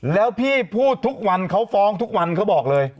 แล้วพี่พูดทุกวันเขาฟ้องทุกวันเขาบอกเลย